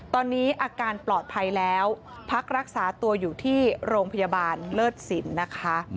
ตอนนี้อาการปลอดภัยแล้วพักรักษาตัวอยู่ที่โรงพยาบาลเลิศสินนะคะ